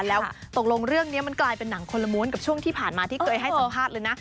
แล้วตกลงเรื่องนี้มันกลายเป็นหนังคนละม้วนกับช่วงที่ผ่านมาที่เคยให้สัมภาษณ์เลยนะ